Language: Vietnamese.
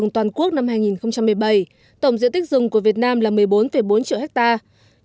theo công bố hiện trạng rừng toàn quốc năm hai nghìn một mươi bảy tổng diện tích rừng của việt nam là một mươi bốn bốn triệu hectare